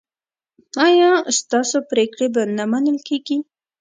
ایا ستاسو پریکړې به نه منل کیږي؟